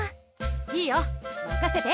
いいよ任せて。